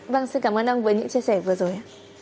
vâng xin cảm ơn ông với những chia sẻ vừa rồi ạ